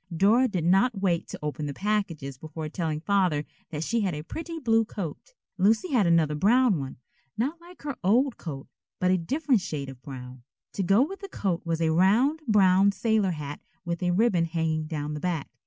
Dora did not wait to open the packages before telling Father that she had a pretty blue coat. Lucy had another brown one, not like her old coat, but a different shade of brown. To go with the coat was a round brown sailor hat with a ribbon hanging down the back.